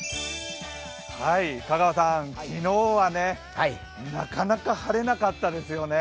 香川さん、昨日はなかなか晴れなかったですよね。